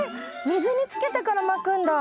水につけてからまくんだ。